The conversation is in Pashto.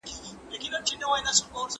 خو نه هسي چي زمری وو ځغلېدلی